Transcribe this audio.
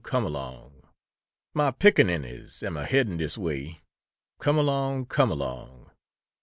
Come along! "Mah pickaninnies am a headin' dis way Come along! Come along!